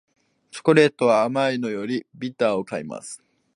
チョコレートは甘いのよりビターを買います